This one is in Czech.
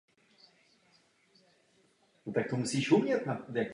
Obě německé lodě ale byly v bitvě také vážně poškozeny.